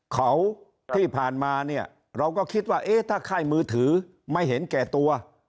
เขาที่ผ่านมาเนี่ยเราก็คิดว่าเอ๊ะถ้าค่ายมือถือไม่เห็นแก่ตัว